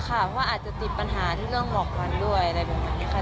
เพราะว่าอาจจะติดปัญหาที่เรื่องหมอกควันด้วยอะไรประมาณนี้ค่ะ